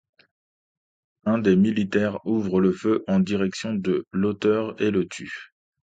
Un des militaires ouvre le feu en direction de l'auteur et le tue.